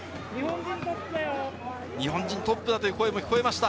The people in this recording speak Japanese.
日本人トップだという声も聞こえました。